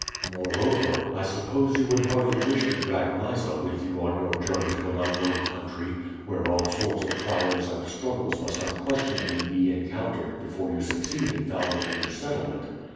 "Moreover, I suppose you would hardly wish to drag Mysa with you on your journey to an unknown country, where all sorts of trials and struggles must unquestionably be encountered before you succeed in founding a new settlement.